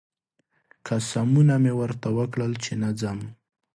قسمونه مې ورته وکړل چې نه ځم